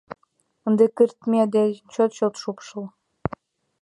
Ынде кыртме да чот-чот шупшыл!